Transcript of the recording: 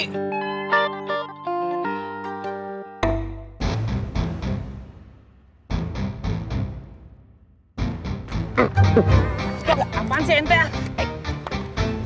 kenapa berhenti bang